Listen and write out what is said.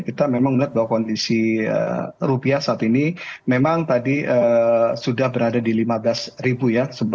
kita memang melihat bahwa kondisi rupiah saat ini memang tadi sudah berada di lima belas ribu ya